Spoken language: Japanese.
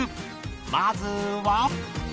まずは。